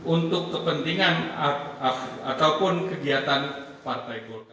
untuk kepentingan ataupun kegiatan partai golkar